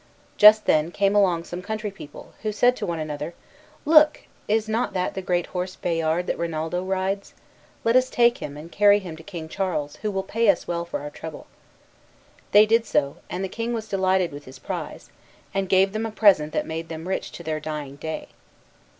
Just then came along some country people, who said to one another, "Look, is not that the great horse Bayard that Rinaldo rides? Let us take him, and carry him to King Charles, who will pay us well for our trouble." They did so, and the king was delighted with his prize, and gave them a present that made them rich to their dying day.